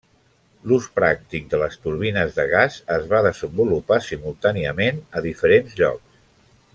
L'ús pràctic de les turbines de gas es va desenvolupar simultàniament a diferents llocs.